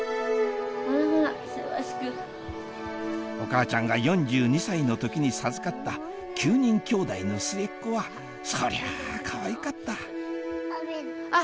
お母ちゃんが４２歳の時に授かった９人きょうだいの末っ子はそりゃあかわいかったあっ！